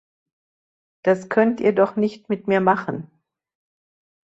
Das könnt ihr doch nicht mit mir machen!